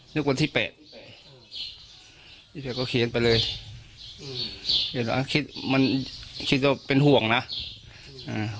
นึกว่าที่แปดที่แปดก็เขียนไปเลยอืมคิดมันคิดว่าเป็นห่วงน่ะอ่า